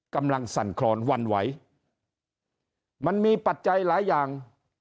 สั่นครอนวันไหวมันมีปัจจัยหลายอย่าง